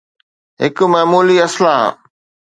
هڪ معمولي اصلاح.